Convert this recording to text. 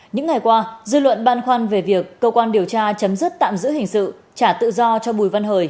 những ngày qua dư luận băn khoăn về việc cơ quan điều tra chấm dứt tạm giữ hình sự trả tự do cho bùi văn hời